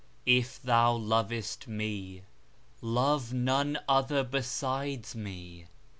If thou lovest Me, love none other besides Me.